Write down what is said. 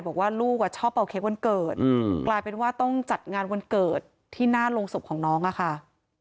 บอกว่าลูกชอบเอาเค้กวันเกิดกลายเป็นว่าต้องจัดงานวันเกิดที่หน้าโรงศพของน้องอะค่ะ